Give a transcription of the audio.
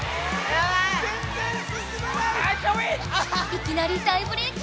いきなり大ブレーキ！